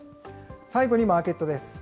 最後にマーケットです。